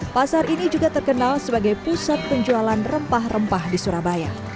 pasar ini juga terkenal sebagai pusat penjualan rempah rempah di surabaya